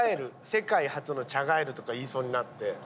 世界初の茶ガエルとか言いそうになって。